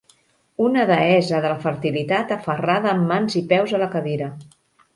Una deessa de la fertilitat aferrada amb mans i peus a la cadira.